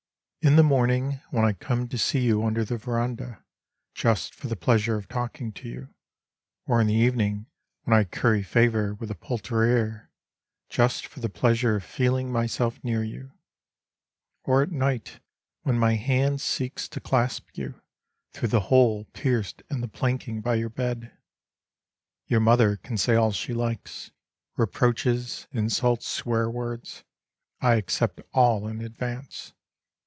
In the morning when I come to see you under the verandah Just for the pleasure of talking to you ; Or in the evening when I curry favour with the poulterer Just for the pleasure of feeling myself near you ; Or at night when my hand seeks to clasp you Through the hole pierced in the planking by your bed ; Your mother can say all she likes. Reproaches, insults, swear'Words. I accept all in advance.